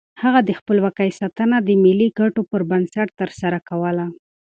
هغه د خپلواکۍ ساتنه د ملي ګټو پر بنسټ ترسره کوله.